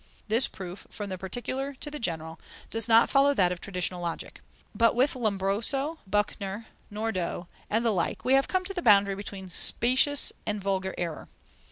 This proof, from the particular to the general, does not follow that of traditional Logic. But with Lombroso, Büchner, Nordau, and the like we have come to the boundary between specious and vulgar error.